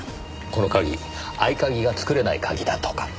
この鍵合鍵が作れない鍵だとか。